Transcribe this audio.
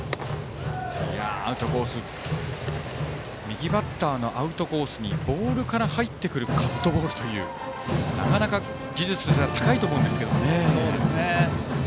右バッターのアウトコースにボールから入ってくるカットボールというなかなか技術が高いと思うんですけどね。